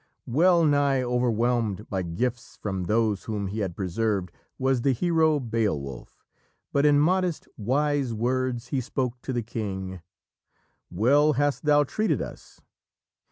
_" Well nigh overwhelmed by gifts from those whom he had preserved was the hero, Beowulf. But in modest, wise words he spoke to the King: "Well hast thou treated us.